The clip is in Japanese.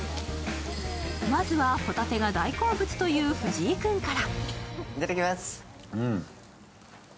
まずは、ほたてが大好物という藤井君から。